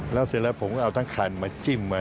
แล้วเสร็จแล้วผมก็เอาทั้งคันมาจิ้มไว้